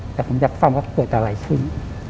แต่ผมอยากฟังว่าเกิดอะไรขึ้น